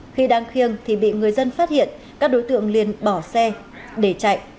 khi đang khiêng thì bị người dân phát hiện các đối tượng liền bỏ xe để chạy